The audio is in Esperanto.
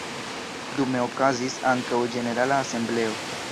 Dume okazis ankaŭ ĝenerala asembleo.